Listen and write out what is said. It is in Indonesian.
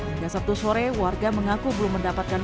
hingga sabtu sore warga mengaku belum mendapatkan